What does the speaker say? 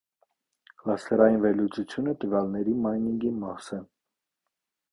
Կլաստերային վերլուծությունը տվյալների մայնինգի մաս է։